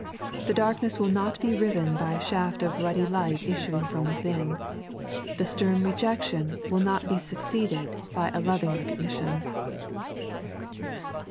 The darkness will not be riven by a shaft of ruddy tight issuing from within. The stem rejec tion will not be succeeded by a loving rec<^nition.